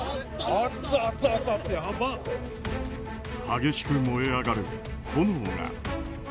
激しく燃え上がる炎が。